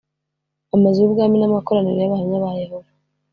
Amazu y Ubwami n amakoraniro y Abahamya ba Yehova